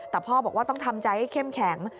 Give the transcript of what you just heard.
แต่พ่อบอกว่าต้องทำใจให้เข้มแข็ง